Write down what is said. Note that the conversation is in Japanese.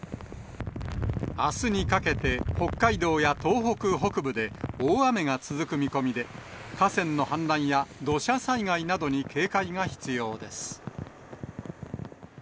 あすにかけて北海道や東北北部で大雨が続く見込みで、河川の氾濫や土砂災害などに警戒が必要です。